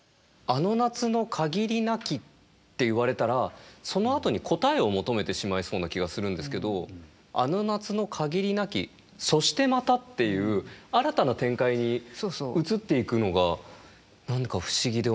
「あの夏のかぎりなき」って言われたらそのあとに答えを求めてしまいそうな気がするんですけど「あの夏のかぎりなきそしてまた」っていう新たな展開に移っていくのが何か不思議で面白いですね。